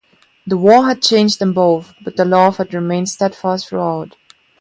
The war had changed them both, but their love had remained steadfast throughout.